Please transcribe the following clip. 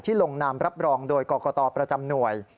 ลงนามรับรองโดยกรกตประจำหน่วย